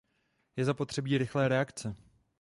Je zapotřebí rychlé reakce.